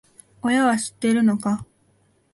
親は知ってるのか？